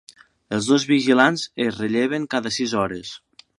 Els dos vigilants es relleven cada sis hores.